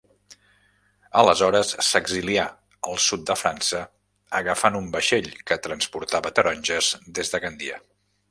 Aleshores s'exilià al sud de França agafant un vaixell que transportava taronges des de Gandia.